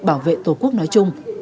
bảo vệ tổ quốc nói chung